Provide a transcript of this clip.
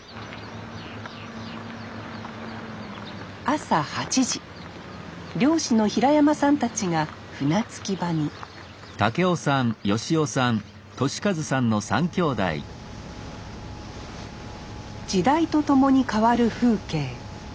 朝８時漁師の平山さんたちが船着き場に時代と共に変わる風景。